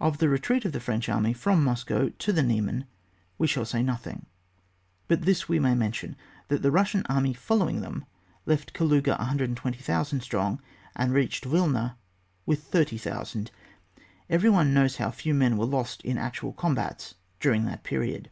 Of the retreat of the French army firom Moscow to the Niemen, we shaU say nothing, but this we may mention, that the Hussian army following them left Kaluga 120,000 strong, and reached Wilna with 30,000. Every one knows how few men were lost in actual combats during that period.